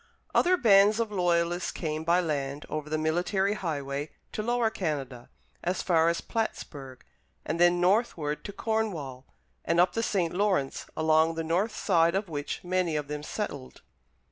Other bands of Loyalists came by land over the military highway to Lower Canada, as far as Plattsburg, and then northward to Cornwall and up the St. Lawrence, along the north side of which many of them settled.